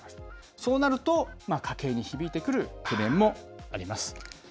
そうなると家計に響いてくる懸念もあります。